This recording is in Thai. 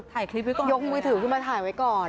ต้องทำก็คือยกมือถือขึ้นมาถ่ายไว้ก่อน